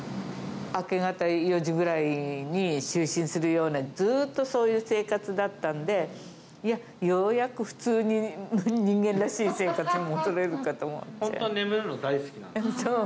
明け方４時ぐらいに就寝するような、ずっとそういう生活だったんで、ようやく普通に、人間らしい生活に戻れるかと思っちゃう。